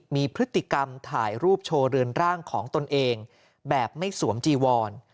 มีพฤติกรรมถ่ายรูปโชว์เรือนร่างของตนเองแบบไม่สวมจีวอน